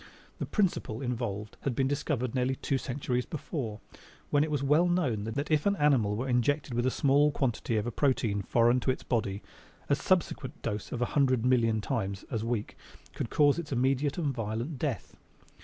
The principle involved had been discovered nearly two centuries before, when it was well known that if an animal were injected with a small quantity of a protein foreign to his body, a subsequent dose a hundred million times as weak would cause its immediate and violent death.